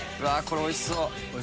これおいしそう！